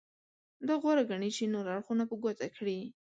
دا غوره ګڼي چې نور اړخونه په ګوته کړي.